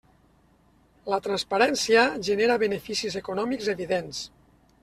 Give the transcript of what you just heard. La transparència genera beneficis econòmics evidents.